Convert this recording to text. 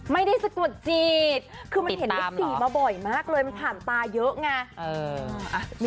สะกดจิตคือมันเห็นเลข๔มาบ่อยมากเลยมันผ่านตาเยอะไง